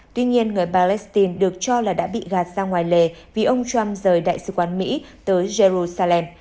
tuy nhiên người palestine được cho là đã bị gạt ra ngoài lề vì ông trump rời đại sứ quán mỹ tới jerusalem